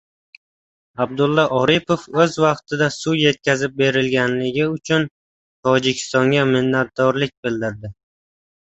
Abdulla Aripov o‘z vaqtida suv yetkazib berilgani uchun Tojikistonga minnatdorlik bildirdi